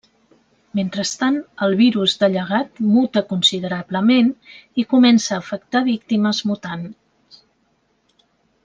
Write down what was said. Mentrestant, el Virus de Llegat muta considerablement i comença a afectar víctimes mutants.